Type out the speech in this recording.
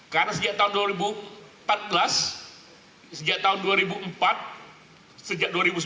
karena sejak tahun dua ribu empat belas sejak tahun dua ribu empat sejak dua ribu sembilan